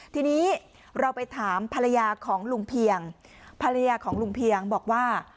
ทีนี้เราไปถามภรรยาของลุงเพียงภรรยาของลุงเพียงบอกว่า